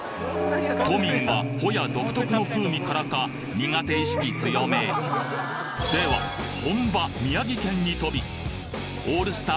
都民はホヤ独特の風味からか苦手意識強めでは本場宮城県に飛びオールスター